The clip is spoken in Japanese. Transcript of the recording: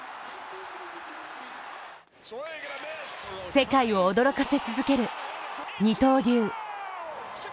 世界を驚かせ続ける二刀流。